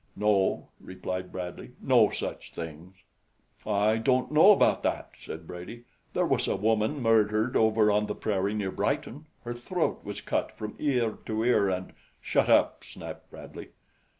"No," replied Bradley. "No such things." "I don't know about that," said Brady. "There was a woman murdered over on the prairie near Brighton her throat was cut from ear to ear, and " "Shut up," snapped Bradley.